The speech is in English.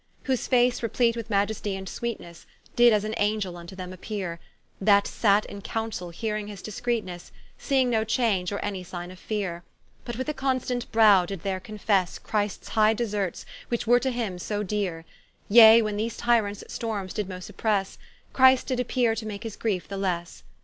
Whose face repleat with Maiestie and Sweetnesse, Did as an Angel vnto them appeare, That sate in Counsell hearing his discreetenesse, Seeing no change, or any signe of [feare;] But with a constant browe did there confesse Christs high deserts, which were to him so deare: Yea when these Tyrants stormes did most oppresse, Christ did appeare to make his griefe the lesse.